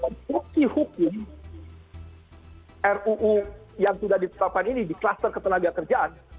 nah untuk bukti hukum ruu yang sudah ditetapkan ini di kluster ketenaga kerjaan